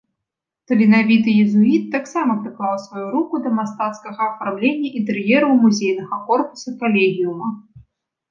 Таленавіты езуіт таксама прыклаў сваю руку да мастацкага афармлення інтэр'ераў музейнага корпуса калегіума.